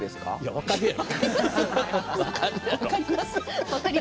分かるやろ。